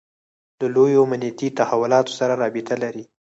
له لویو امنیتي تحولاتو سره رابطه لري.